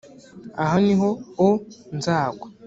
aha ni ho o nzagwa